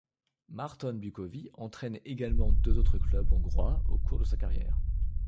Márton Bukovi entraine également deux autres clubs hongrois au cours de sa carrière.